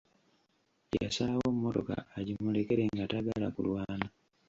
Yasalawo mmotoka agimulekere nga tayagala kulwana.